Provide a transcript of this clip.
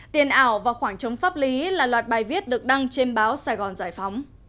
tiền ảo và khoảng trống pháp lý là loạt bài viết được đăng trên báo sài gòn giải phóng